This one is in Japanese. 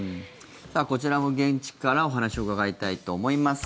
こちらも現地からお話を伺いたいと思います。